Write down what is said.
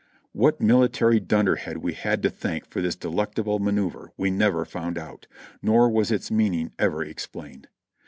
What military dunderhead we had to thank for this delectable manoeuvre we never found out, nor w^as its meaning ever explained.